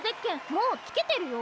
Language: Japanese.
もうつけてるよ？